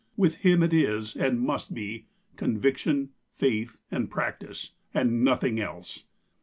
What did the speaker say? With him it is, and must be, conviction, faith and practice, and nothing else.